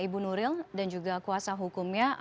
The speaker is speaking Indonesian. ibu nuril dan juga kuasa hukumnya